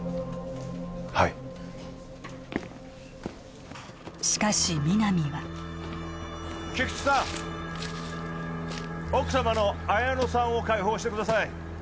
はいしかし皆実は菊知さん奥様の彩乃さんを解放してください